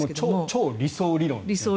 超理想理論ですよね。